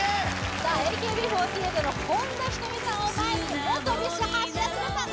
さあＡＫＢ４８の本田仁美さんを前に元ＢｉＳＨハシヤスメさん